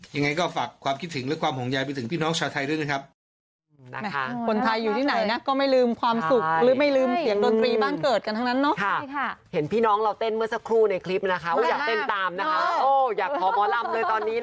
ยังไงก็ฝากความคิดถึงและความห่วงใยไปถึงพี่น้องชาวไทยด้วยนะครับ